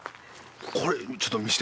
これちょっと見せて。